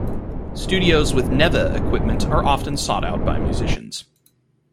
Studios with Neve equipment are often sought out by musicians.